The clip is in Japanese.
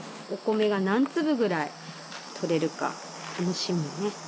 お米が何粒ぐらいとれるか楽しみね。